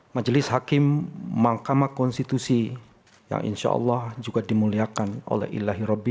majelis hakim mahkamah konstitusi yang insyaallah juga dimuliakan oleh ilahi rabbi